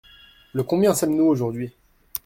Le combien sommes-nous aujourd’hui ?